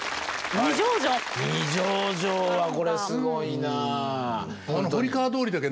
二条城はこれすごいなぁ。